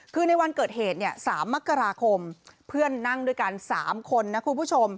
คือในวันเกิดเหตุเนี่ย๓มกราคมเพื่อนนั่งด้วยกัน๓คนนะคุณผู้ชม